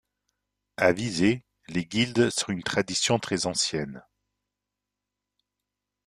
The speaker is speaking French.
À Visé, les gildes sont une tradition très ancienne.